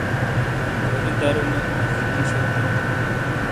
لنکھوری درونی اجینی شینالے۔